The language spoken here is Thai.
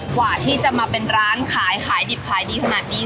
กว่าที่จะมาเป็นร้านขายขายดิบขายดีขนาดนี้